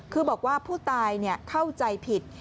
คือบอกว่าผู้ตายเข้าใจผิด